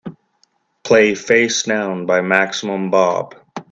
play Facedown by Maximum Bob